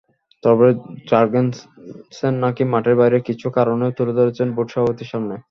তবে জার্গেনসেন নাকি মাঠের বাইরের কিছু কারণও তুলে ধরেছেন বোর্ড সভাপতির সামনে।